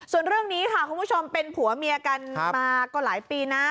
ส่วนเรื่องนี้ค่ะคุณผู้ชมเป็นผัวเมียกันมาก็หลายปีนะ